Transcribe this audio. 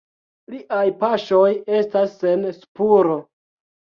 Liaj paŝoj estas sen spuro.